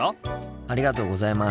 ありがとうございます。